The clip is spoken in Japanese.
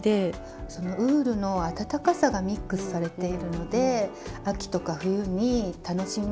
そのウールの温かさがミックスされているので秋とか冬に楽しみやすいですよね。